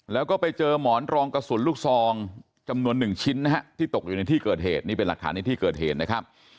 แล้วก็ไปเจอหมอนรองกระสุนลูกซองจำนวนหนึ่งชิ้นนะฮะที่ตกอยู่ในที่เกิดเหตุนี่เป็นหลักฐานในที่เกิดเหตุนะครับ